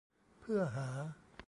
เพื่อหา